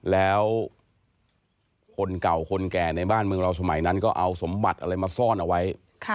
แล้วคนเก่าคนแก่ในบ้านเมืองเราสมัยนั้นก็เอาสมบัติอะไรมาซ่อนเอาไว้